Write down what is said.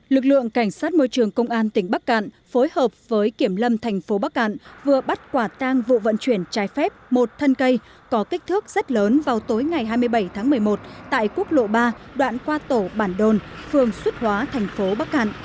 lực lượng cảnh sát môi trường công an tỉnh bắc cạn phối hợp với kiểm lâm thành phố bắc cạn vừa bắt quả tang vụ vận chuyển trái phép một thân cây có kích thước rất lớn vào tối ngày hai mươi bảy tháng một mươi một tại quốc lộ ba đoạn qua tổ bản đôn phường xuất hóa thành phố bắc cạn